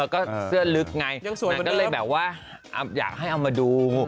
ก็เสื้อลึกไงนางอยากให้เอามาดู